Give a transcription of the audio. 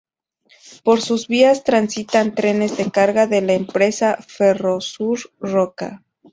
Por sus vías transitan trenes de carga de la empresa Ferrosur Roca.